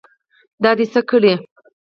دا دې څه کړي.